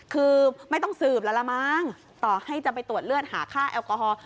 คือไม่ต้องสืบแล้วละมั้งต่อให้จะไปตรวจเลือดหาค่าแอลกอฮอล์